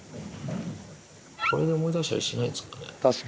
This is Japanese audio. これで思い出したりしないんですかね。